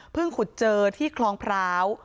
ขุดเจอที่คลองพร้าว